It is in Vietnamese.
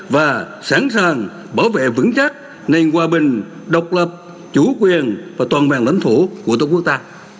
và sẵn sàng bảo vệ vững chắc nền hòa bình độc lập chủ quyền và toàn vẹn lãnh thổ của tổ quốc ta